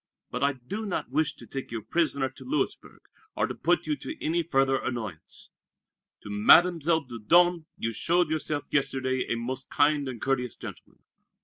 But I do not wish to take you a prisoner to Louisburg, or to put you to any further annoyance. To Mademoiselle Dieudonné you showed yourself yesterday a most kind and courteous gentleman.